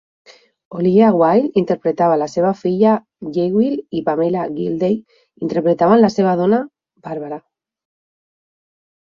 Olivia Wilde interpretava la seva filla Jewel i Pamela Gidley interpretava la seva dona Barbara.